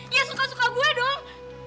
dia suka suka gue dong